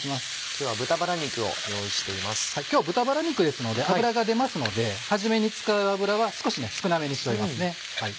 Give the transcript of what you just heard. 今日は豚バラ肉ですので脂が出ますので初めに使う油は少し少なめにしております。